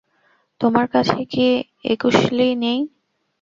তোমার কাছে কি একুশ লী নেই?